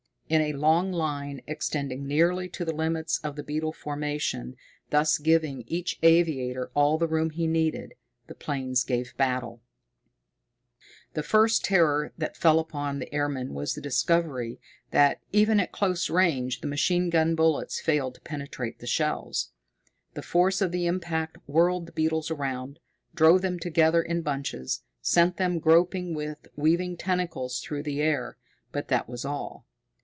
In a long line, extending nearly to the limits of the beetle formation, thus giving each aviator all the room he needed, the planes gave battle. The first terror that fell upon the airmen was the discovery that, even at close range, the machine gun bullets failed to penetrate the shells. The force of the impact whirled the beetles around, drove them together in bunches, sent them groping with weaving tentacles through the air but that was all.